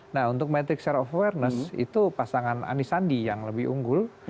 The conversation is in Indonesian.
nah untuk matic share of awareness itu pasangan anisandi yang lebih unggul